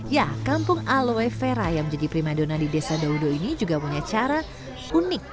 ya kampung aloe vera yang menjadi primadona di desa daudo ini juga punya cara unik